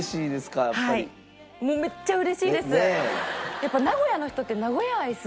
やっぱ名古屋の人って。